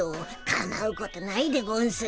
「かまうことないでゴンス」。